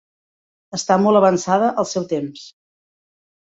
Està molt avançada al seu temps.